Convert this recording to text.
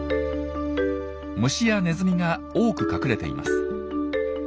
虫やネズミが多く隠れています。